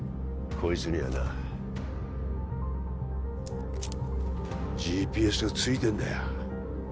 こいつにはなＧＰＳがついてんだよ